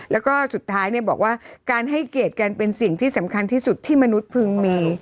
แล้วก็สุดท้ายบอกว่าการให้เกียรติกันเป็นสิ่งที่สำคัญที่สุดที่มนุษย์พึงมี